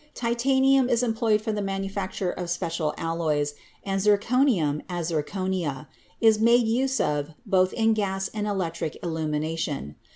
Titanium is employed for the manufacture of special alloys, and zirconium, as zirconia, is made use of both in gas and electric illumination.